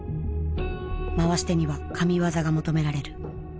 回し手には神業が求められる。